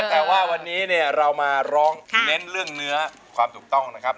แต่ว่าวันนี้เนี่ยเรามาร้องเน้นเรื่องเนื้อความถูกต้องนะครับ